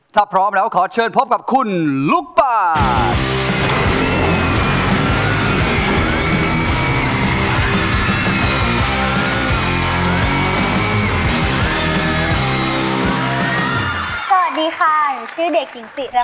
ถือว่าเป็นนักเรียนที่มีความสามารถหลายด้านนะครับ